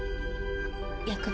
薬物。